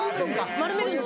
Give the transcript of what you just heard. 丸めるんです。